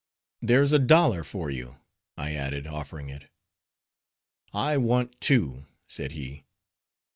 "There's a dollar for you," I added, offering it. "I want two," said he.